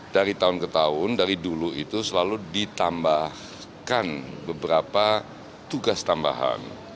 dari tahun ke tahun dari dulu itu selalu ditambahkan beberapa tugas tambahan